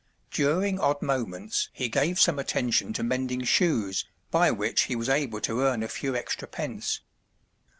During odd moments he gave some attention to mending shoes, by which he was able to earn a few extra pence.